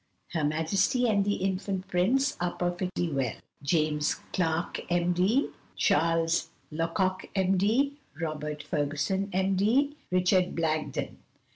"Her Majesty and the Infant Prince are perfectly well. "JAMES CLARK, M.D., "CHARLES LOCOCK, M.D., "ROBERT FERGUSON, M.D., "RICHARD BLAGDEN.